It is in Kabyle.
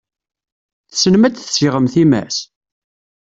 Tessnem ad tessiɣem times?